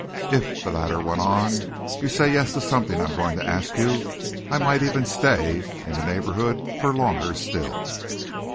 "If," the latter went on, "you say 'yes' to something I am going to ask you, I might even stay in the neighbourhood for longer still."